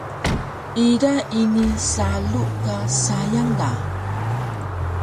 ida ini salu ka sayang da